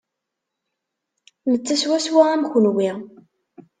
Netta swaswa am kenwi.